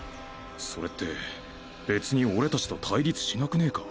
それって別に俺達と対立しなくねぇか？